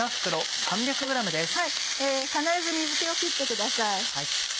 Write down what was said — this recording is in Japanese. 必ず水気を切ってください。